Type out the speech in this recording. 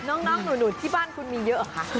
น้องหนูที่บ้านคุณมีเยอะเหรอคะ